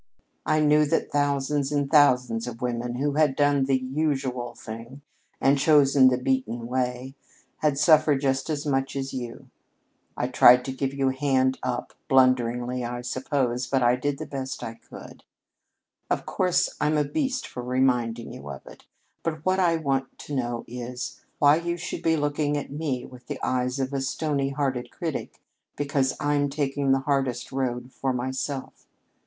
I knew that thousands and thousands of women, who had done the usual thing and chosen the beaten way, had suffered just as much as you. I tried to give you a hand up blunderingly, I suppose, but I did the best I could. Of course, I'm a beast for reminding you of it. But what I want to know is, why you should be looking at me with the eyes of a stony hearted critic because I'm taking the hardest road for myself.